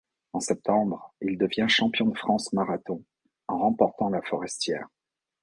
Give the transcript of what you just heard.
En septembre, il devient champion de France marathon en remportant La Forestière.